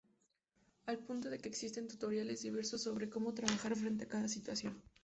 Al punto de que existen tutoriales diversos sobre como trabajar frente a cada situación.